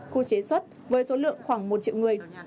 khu chế xuất với số lượng khoảng một triệu người